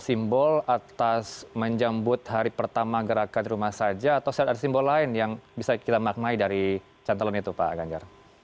simbol atas menjemput hari pertama gerakan di rumah saja atau ada simbol lain yang bisa kita maknai dari cantalan itu pak ganjar